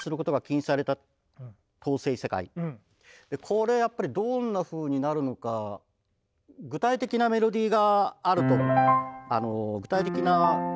これやっぱりどんなふうになるのか具体的なメロディーがあると。